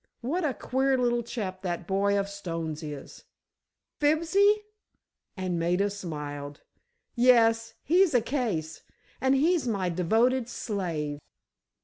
What a queer little chap that boy of Stone's is!" "Fibsy?" and Maida smiled. "Yes, he's a case! And he's my devoted slave."